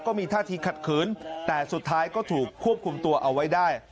ก็มีท่าทีขัดขืนแต่สุดท้ายก็ถูกควบคุมตัวเอาไว้ได้